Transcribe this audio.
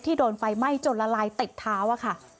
ที่โดนไฟไหม้จนละลายติดเท้า